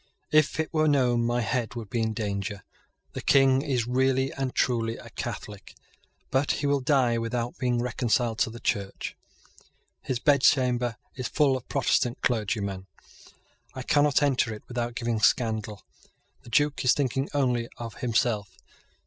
If it were known, my head would be in danger. The King is really and truly a Catholic; but he will die without being reconciled to the Church. His bedchamber is full of Protestant clergymen. I cannot enter it without giving scandal. The Duke is thinking only of himself.